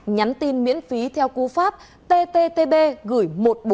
nhắn tin miễn phí theo cú pháp tttb gửi một nghìn bốn trăm một mươi bốn